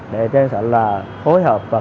để tên sở là hối hợp